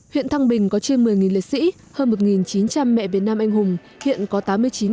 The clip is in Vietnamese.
huyện thăng bình có trên một mươi liệt sĩ hơn một chín trăm linh mẹ việt nam anh hùng hiện có tám mươi chín mẹ còn sống